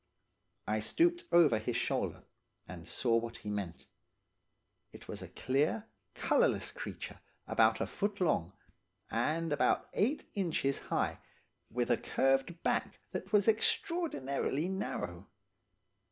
"I stooped over his shoulder, and saw what he meant; it was a clear, colourless creature about a foot long, and about eight inches high, with a curved back that was extraordinarily narrow.